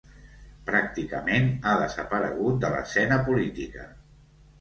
Pràcticament ha desaparegut de l'escena política.